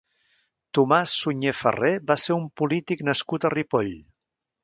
Tomàs Suñer Ferrer va ser un polític nascut a Ripoll.